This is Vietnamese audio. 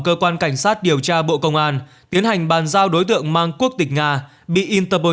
cơ quan cảnh sát điều tra bộ công an tiến hành bàn giao đối tượng mang quốc tịch nga bị interpol